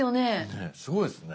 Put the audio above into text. ねっすごいですね。